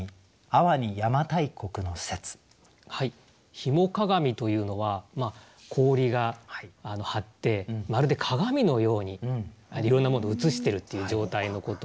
「氷面鏡」というのは氷が張ってまるで鏡のようにいろんなものを映してるっていう状態のことをいうんですね。